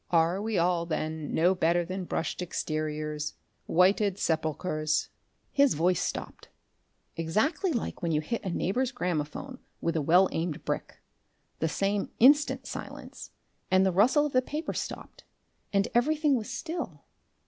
Are we all then no better than brushed exteriors, whited sepulchres " His voice stopped exactly like when you hit a neighbour's gramophone with a well aimed brick, the same instant silence, and the rustle of the paper stopped, and everything was still....